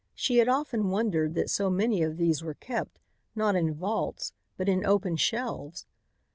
She had often wondered that so many of these were kept, not in vaults, but in open shelves.